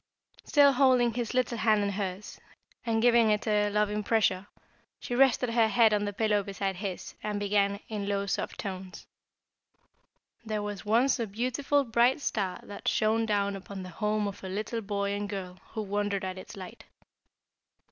Still holding his little hand in hers, and giving it a loving pressure, she rested her head on the pillow beside his, and began, in low soft tones: "There was once a beautiful bright star that shone down upon the home of a little boy and girl who wondered at its light.